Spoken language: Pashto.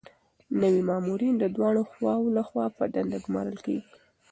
نوي مامورین د دواړو خواوو لخوا په دنده ګمارل کیږي.